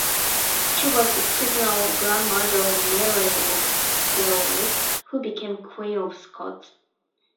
She was the paternal grandmother of Mary of Guelders, who became Queen of Scots.